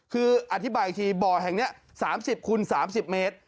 คืออธิบายอีกทีบ่อแห่งนี้๓๐คูณ๓๐เมตร